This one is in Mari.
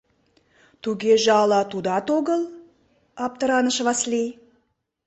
— Тугеже ала тудат огыл? — аптыраныш Васлий.